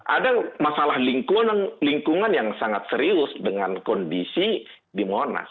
ada masalah lingkungan yang sangat serius dengan kondisi di monas